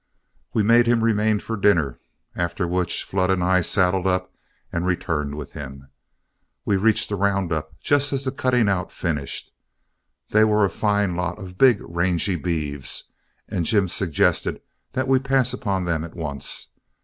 We made him remain for dinner, after which Flood and I saddled up and returned with him. We reached the round up just as the cutting out finished. They were a fine lot of big rangy beeves, and Jim suggested that we pass upon them at once.